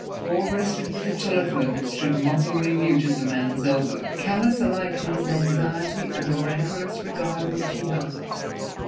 All rested with the telephone that stood mockingly mute at the man's elbow, callous alike to his anxiety and the rancorous regard in which he held it.